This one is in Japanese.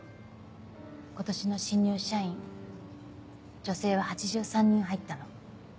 今年の新入社員女性は８３人入ったの。